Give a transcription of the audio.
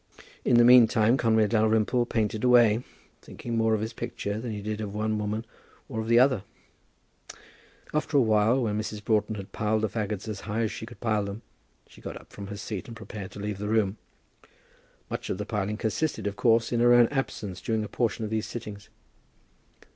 In the meantime Conway Dalrymple painted away, thinking more of his picture than he did of one woman or of the other. [Illustration: Mrs. Dobbs Broughton piles her Fagots.] After a while, when Mrs. Broughton had piled the fagots as high as she could pile them, she got up from her seat and prepared to leave the room. Much of the piling consisted, of course, in her own absence during a portion of these sittings.